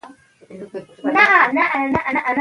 کره کتنه زموږ د خبرو ترمنځ ادبیات او عامي خبري بېلوي.